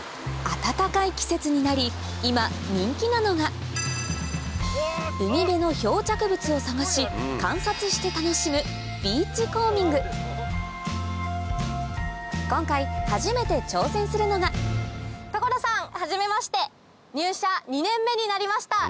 暖かい季節になり今人気なのが海辺の漂着物を探し観察して楽しむ今回初めて挑戦するのが所さんはじめまして。